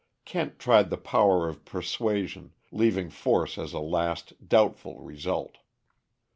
Kent tried the power of persuasion, leaving force as a last, doubtful result.